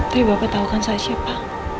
tapi bapak tau kan saya siapa